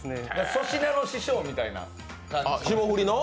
粗品の師匠みたいな。